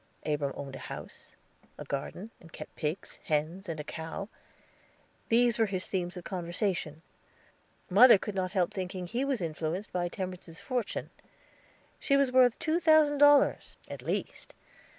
Abram owned a house, a garden, and kept pigs, hens, and a cow; these were his themes of conversation. Mother could not help thinking he was influenced by Temperance's fortune. She was worth two thousand dollars, at least.